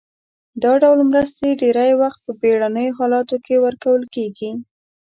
دا ډول مرستې ډیری وخت په بیړنیو حالاتو کې ورکول کیږي.